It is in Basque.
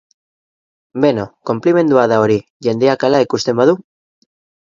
Beno, konplimendua da hori, jendeak hala ikusten badu.